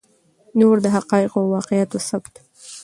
نو د حقایقو او واقعاتو ثبت